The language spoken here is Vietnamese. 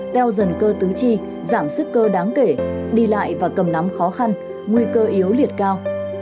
teo dần cơ tứ chi giảm sức cơ đáng kể đi lại và cầm nắm khó khăn nguy cơ yếu liệt cao